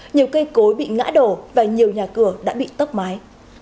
nhiều cây cối bị ngã đổ và nhiều nhà cửa đã bị tốc mái